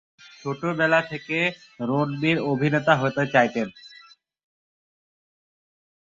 ছেলেবেলা থেকেই রণবীর অভিনেতা হতে চাইতেন।